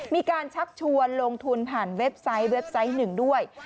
มีการชักชวนลงทุนผ่านเว็บไซต์๑ด้วย